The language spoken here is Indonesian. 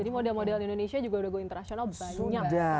jadi model model indonesia juga udah go international banyak